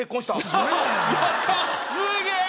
すげえ！